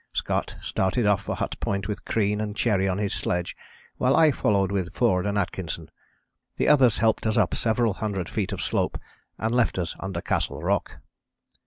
Scott started off for Hut Point with Crean and Cherry on his sledge, while I followed with Forde and Atkinson. The others helped us up several hundred feet of slope and left us under Castle Rock.